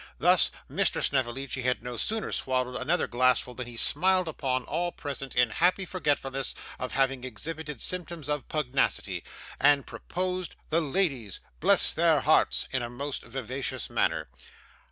Thus Mr. Snevellicci had no sooner swallowed another glassful than he smiled upon all present in happy forgetfulness of having exhibited symptoms of pugnacity, and proposed 'The ladies! Bless their hearts!' in a most vivacious manner.